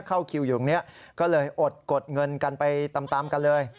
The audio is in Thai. เข้าคิวอยู่ตรงนี้ก็เลยอดกดเงินกันไปตามกันเลย